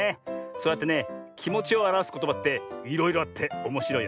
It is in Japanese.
そうやってねきもちをあらわすことばっていろいろあっておもしろいよなあ。